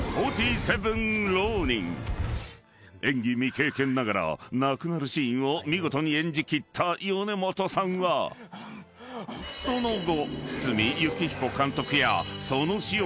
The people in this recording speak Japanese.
［演技未経験ながら亡くなるシーンを見事に演じ切った米本さんはその後］